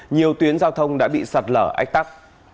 nhiều tuyến giao thông đã bị sặt lở ách tắt